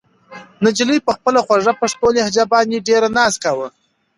نجلۍ په خپله خوږه پښتو لهجه باندې ډېر ناز کاوه.